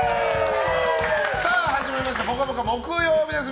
始まりました「ぽかぽか」木曜日です。